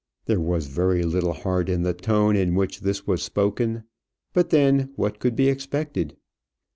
There was very little heart in the tone in which this was spoken; but then, what could be expected?